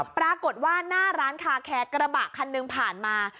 ปรากฏว่าหน้าร้านคาแคร์กระบะคันหนึ่งผ่านมา